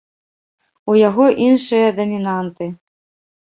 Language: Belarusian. У яго іншыя дамінанты.